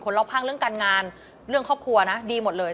รอบข้างเรื่องการงานเรื่องครอบครัวนะดีหมดเลย